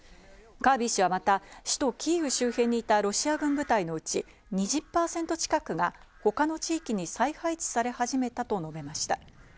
カービー氏はまた、首都キーウ周辺にいたロシア軍部隊のうち、２０％近くが他の地域に再配置され始めたと述べました。